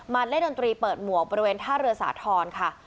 เล่นดนตรีเปิดหมวกบริเวณท่าเรือสาธรณ์ค่ะ